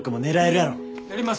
やります。